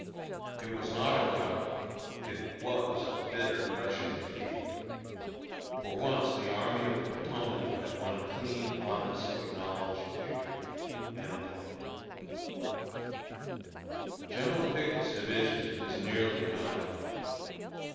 It was not a rout; it was a bitter, crushing defeat. For once the Army of the Potomac had won a clean, honest, acknowledged victory." General Pickett's division was nearly annihilated.